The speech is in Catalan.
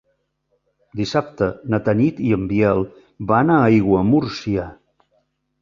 Dissabte na Tanit i en Biel van a Aiguamúrcia.